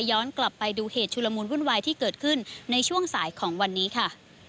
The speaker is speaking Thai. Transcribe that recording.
ย้อนกลับไปดูเหตุชุลมูลวุ่นวายที่เกิดขึ้นในช่วงสายของวันนี้ค่ะ